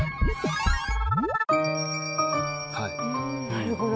なるほど。